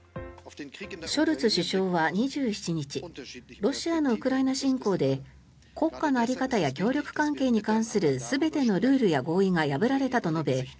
ショルツ首相は２７日ロシアのウクライナ侵攻で国家の在り方や協力関係に関する全てのルールや合意が破られたと述べ